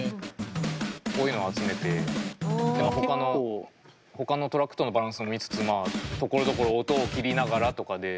こういうのを集めてほかのトラックとのバランスを見つつところどころ音を切りながらとかで。